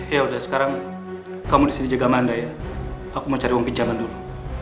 yaudah sekarang kamu disini jaga amanda ya aku mau cari uang pinjangan dulu